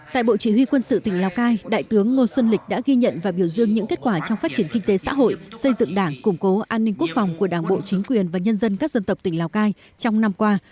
tại bộ chỉ huy quân sự tỉnh lào cai đại tướng ngô xuân lịch đã ghi nhận và biểu dương những kết quả trong phát triển kinh tế xã hội xây dựng đảng củng cố an ninh quốc phòng của đảng bộ chính quyền và nhân dân các dân tộc tỉnh lào cai trong năm qua